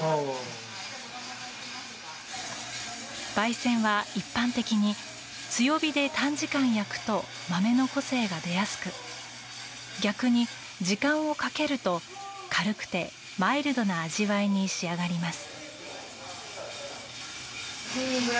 焙煎は一般的に強火で短時間焼くと豆の個性が出やすく逆に時間をかけると軽くてマイルドな味わいに仕上がります。